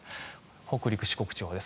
北陸、四国地方です。